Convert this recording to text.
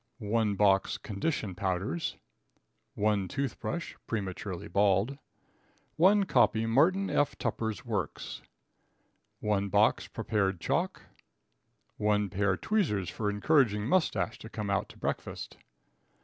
1 box Condition Powders. 1 Toothbrush (prematurely bald). 1 copy Martin F. Tupper's Works. 1 box Prepared Chalk. 1 Pair Tweezers for encouraging Moustache to come out to breakfast.